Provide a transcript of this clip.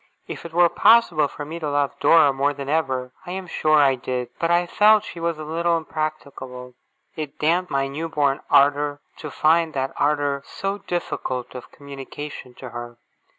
If it were possible for me to love Dora more than ever, I am sure I did. But I felt she was a little impracticable. It damped my new born ardour, to find that ardour so difficult of communication to her.